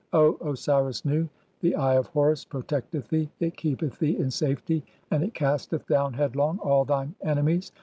"(10) O Osiris Nu, the Eye of Horus protecteth thee, it keepeth "thee in safety, and it casteth down headlong (11) all thine "enemies.